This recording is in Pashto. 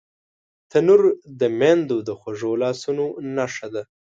تنور د میندو د خوږو لاسونو نښه ده